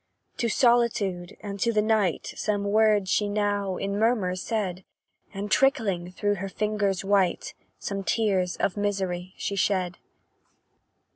To solitude and to the night, Some words she now, in murmurs, said; And trickling through her fingers white, Some tears of misery she shed.